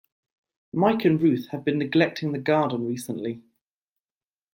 Mike and Ruth have been neglecting the garden recently.